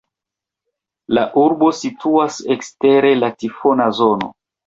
La urbo situas ekster la tifona zono.